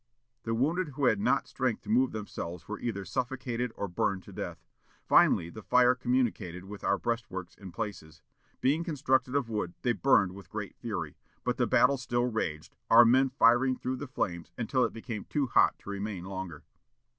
The wounded who had not strength to move themselves were either suffocated or burned to death. Finally the fire communicated with our breastworks in places. Being constructed of wood, they burned with great fury. But the battle still raged, our men firing through the flames until it became too hot to remain longer."